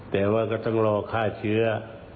แต่ว่าก็ต้องรอฆ่าเชื้อ